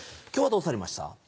きょうはどうされました？